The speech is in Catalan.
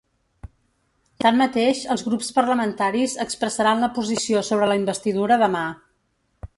Tanmateix, els grups parlamentaris expressaran la posició sobre la investidura demà.